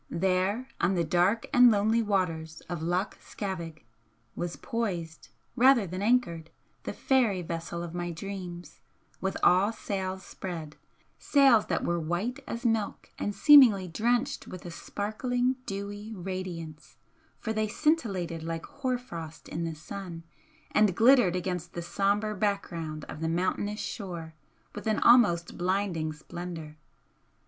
There on the dark and lonely waters of Loch Scavaig was poised, rather than anchored, the fairy vessel of my dreams, with all sails spread, sails that were white as milk and seemingly drenched with a sparkling dewy radiance, for they scintillated like hoar frost in the sun and glittered against the sombre background of the mountainous shore with an almost blinding splendour.